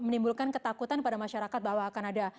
menimbulkan ketakutan pada masyarakat bahwa akan ada